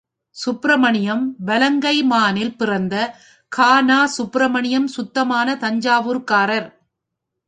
சுப்ரமணியம் வலங்கைமானில் பிறந்த க.நா.சுப்ரமணியம் சுத்தமான தஞ்சாவூர்காரர்.